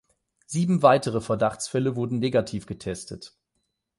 Sieben weitere Verdachtsfälle wurden negativ getestet.